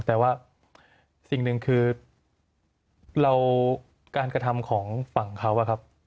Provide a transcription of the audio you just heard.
แต่ว่าสิ่งหนึ่งคือเราการกระทำของฝั่งเขาอะครับ